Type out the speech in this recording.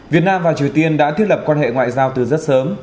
việt nam và triều tiên đã thiết lập quan hệ ngoại giao từ rất sớm